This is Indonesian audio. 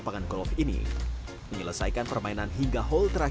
gak bisa lagi ny simplesmente olahraga